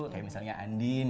kayak misalnya andin